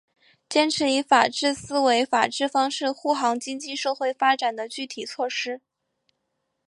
坚持以法治思维法治方式护航经济社会发展的具体措施